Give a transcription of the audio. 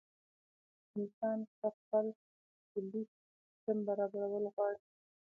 انسان کۀ خپل بيليف سسټم برابرول غواړي